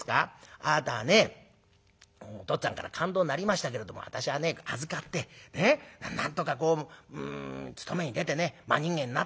あなたねお父っつぁんから勘当になりましたけれども私はね預かってなんとかこう勤めに出てね真人間になった。